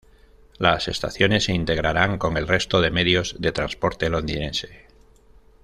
Las estaciones se integrarán con el resto de medios de transporte londinense.